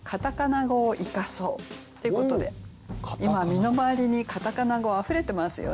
今回は今身の回りにカタカナ語あふれてますよね。